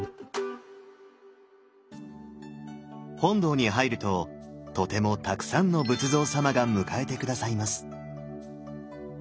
本堂に入るととてもたくさんの仏像様が迎えて下さいます。